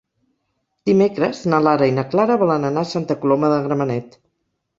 Dimecres na Lara i na Clara volen anar a Santa Coloma de Gramenet.